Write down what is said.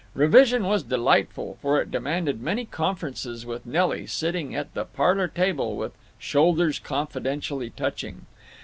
Revision was delightful, for it demanded many conferences with Nelly, sitting at the parlor table, with shoulders confidentially touching.